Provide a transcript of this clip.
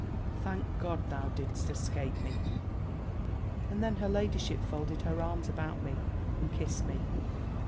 Thank God thou didst escape me!" And then her ladyship folded her arms about me, and kissed me.